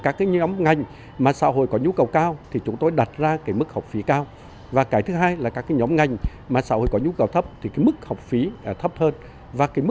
các ngành có nhu cầu cao giữa các ngành học này